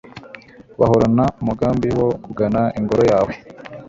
bahorana umugambi wo kugana Ingoro yawe